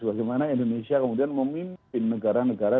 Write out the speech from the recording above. bagaimana indonesia kemudian memimpin negara negara